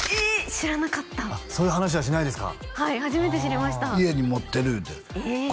知らなかったあそういう話はしないですかはい初めて知りました家に持ってる言うてえー嬉しい